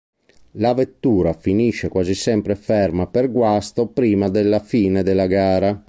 La vettura finisce quasi sempre ferma per guasto prima della fine della gara.